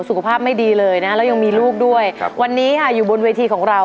สุขภาพไม่ดีเลยนะแล้วยังมีลูกด้วยครับวันนี้ค่ะอยู่บนเวทีของเรา